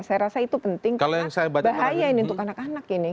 saya rasa itu penting karena bahaya ini untuk anak anak ini